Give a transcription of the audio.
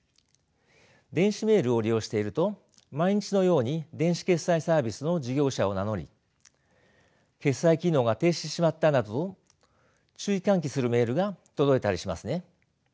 電子メールを利用していると毎日のように電子決済サービスの事業者を名乗り決済機能が停止してしまったなどと注意喚起するメールが届いたりしますね。